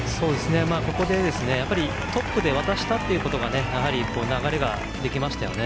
ここで、やっぱりトップで渡したことで流れができましたよね。